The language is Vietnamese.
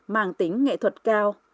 màng tính nghệ thuật cao